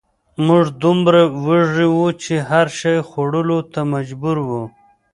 موږ دومره وږي وو چې هر شي خوړلو ته مجبور وو